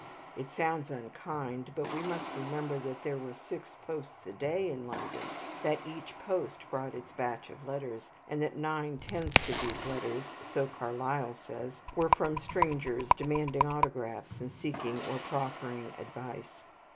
It sounds unkind; but we must remember that there were six posts a day in London, that "each post brought its batch of letters," and that nine tenths of these letters so Carlyle says were from strangers, demanding autographs, and seeking or proffering advice.